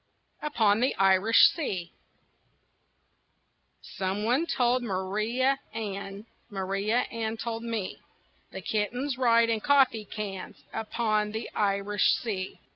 UPON THE IRISH SEA Some one told Maria Ann, Maria Ann told me, That kittens ride in coffee cans Upon the Irish Sea.